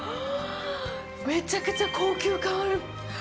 めちゃくちゃ高級感ある。